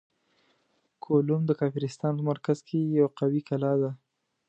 کولوم د کافرستان په مرکز کې یوه قوي کلا ده.